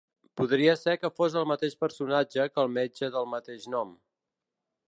Podria ser que fos el mateix personatge que el metge del mateix nom.